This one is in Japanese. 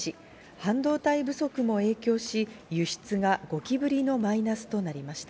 半導体不足も影響し、輸出が５期ぶりのマイナスとなりました。